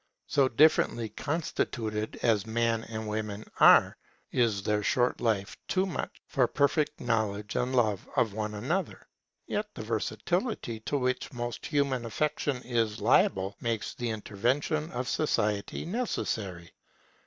So differently constituted as man and woman are, is their short life too much for perfect knowledge and love of one another? Yet the versatility to which most human affection is liable makes the intervention of society necessary.